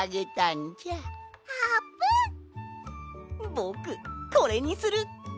ぼくこれにする！